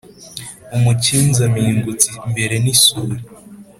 Umukinzi ampingutse imbere n’isuri